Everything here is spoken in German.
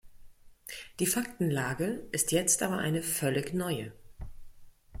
Die Faktenlage ist jetzt aber eine völlig neue.